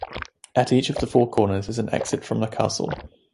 At each of the four corners is an exit from the castle.